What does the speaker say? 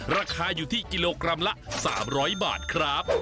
ราคาอยู่ที่กิโลกรัมละ๓๐๐บาทครับ